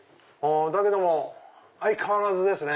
だけども相変わらずですね。